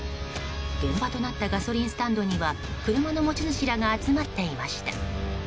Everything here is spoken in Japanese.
現場となったガソリンスタンドには車の持ち主らが集まっていました。